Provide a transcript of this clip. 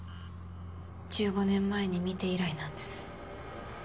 １５年前に見て以来なんです。